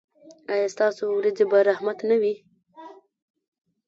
ایا ستاسو ورېځې به رحمت نه وي؟